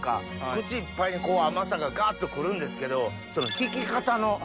口いっぱいに甘さがガッと来るんですけど引き方の。